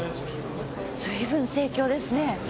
随分盛況ですね。